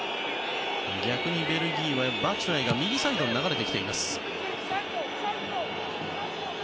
逆にベルギーはバチュアイが右サイドに流れています。